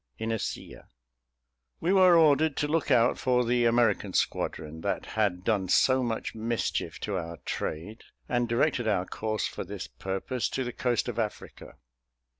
INESILLA. We were ordered to look out for the American squadron that had done so much mischief to our trade; and directed our course, for this purpose, to the coast of Africa.